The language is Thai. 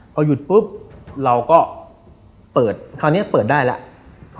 พอหยุดปุ๊บเราก็เปิดคราวนี้เปิดได้แล้ว